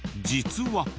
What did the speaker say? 実は。